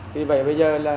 thì vậy bây giờ là